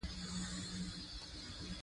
او عقيدو علم ويل کېږي.